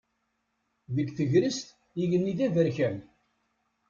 Deg tegrest igenni d aberkan.